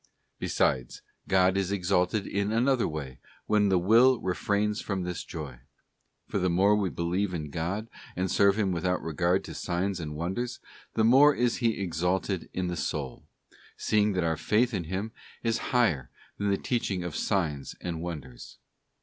Besides, God is exalted in another way when the will refrains from this joy: for the more we believe in God and serve Him without regard to signs and wonders, the more is He exalted in the soul; seeing that our faith in Him is higher than the teaching of signs and wonders.